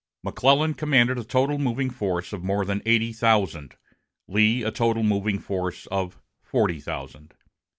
McClellan commanded a total moving force of more than eighty thousand; Lee, a total moving force of forty thousand.